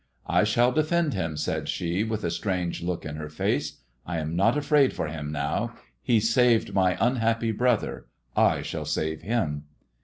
^* I shall defend him/' said she, with a strange look in her face; '^I am not afraid for him now. He saved mj unhappy brother. I shall save him."